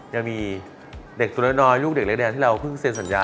ยังมีเด็กตัวน้อยลูกเด็กเล็กแดงที่เราเพิ่งเซ็นสัญญา